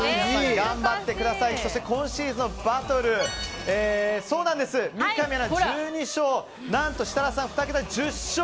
そして今シーズンのバトル三上アナ、１２勝何と設楽さん、２桁、１０勝。